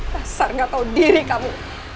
dasar nggak tahu diri kamu